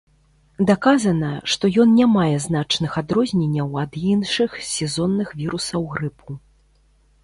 Даказана, што ён не мае значных адрозненняў ад іншых сезонных вірусаў грыпу.